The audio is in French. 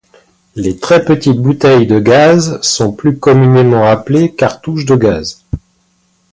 Les très petites bouteilles de gaz sont plus communément appelées cartouches de gaz.